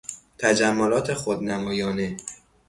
تجملات خودنمایانه